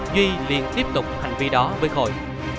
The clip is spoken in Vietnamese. duy liền tiếp tục hành vi đó với khôi